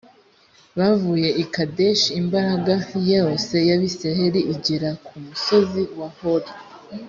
bavuye i kadeshi, imbaga yose y’abayisraheli igera ku musozi wa hori.